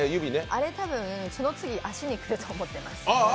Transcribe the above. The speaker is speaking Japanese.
あれたぶん、その次に足に来ると思ってます。